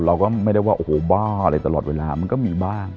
เราก็ไม่ได้ว่าโอ้โหบ้าอะไรตลอดเวลามันก็มีบ้าง